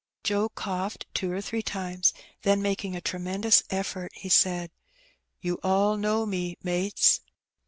Joe coughed two or three times, then making a tremendous effort, he said— '^You all know me, mates?''